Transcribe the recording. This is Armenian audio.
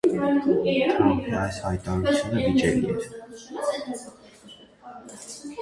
Թրամփի այս հայտարարությունը վիճելի էր։